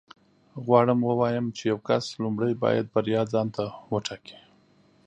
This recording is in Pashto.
غواړم ووایم چې یو کس لومړی باید بریا ځان ته وټاکي